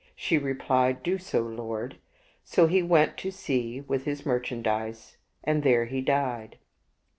She replied, " Do so, lord." So he went to sea with his merchandise, and there he died.